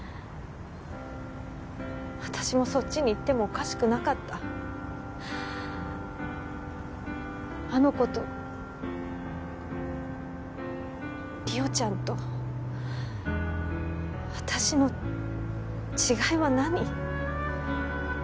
私もそっちに行ってもおかしくなかったあの子と莉桜ちゃんと私の違いは何？